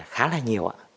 khá là nhiều ạ